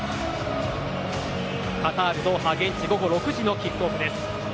カタール・ドーハ現地午後６時のキックオフです。